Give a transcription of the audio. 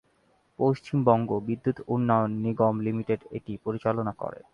Paschimbanga Bidyut Unnayan Nigam limited এটি পরিচালনা করে।